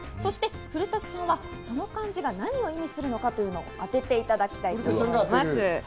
古舘さんはその漢字が何を意味するのか当てていただきたいと思います。